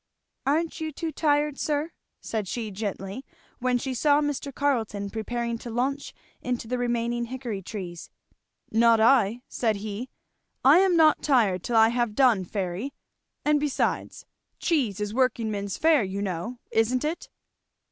"Aren't you too tired, sir?" said she gently, when she saw Mr. Carleton preparing to launch into the remaining hickory trees. "Not I!" said he. "I am not tired till I have done, Fairy. And besides, cheese is workingman's fare, you know, isn't it?"